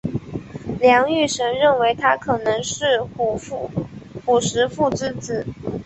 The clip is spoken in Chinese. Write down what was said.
梁玉绳认为他可能是虢石父之子。